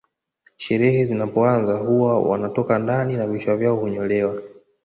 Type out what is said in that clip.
Sherehe zinapoanza huwa wanatoka ndani na vichwa vyao hunyolewa